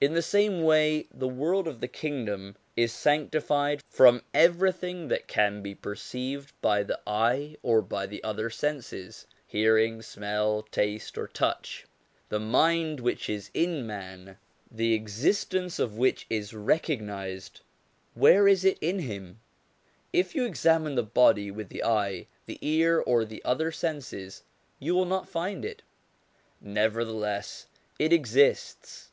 In the same way the world of the Kingdom is sanctified from everything that can be perceived by the eye or by the other senses hearing, smell, taste, or touch. The mind which is in man, the existence 282 SOME ANSWERED QUESTIONS of which is recognised where is it in him? If you examine the body with the eye, the ear, or the other senses, you will not find it; nevertheless it exists.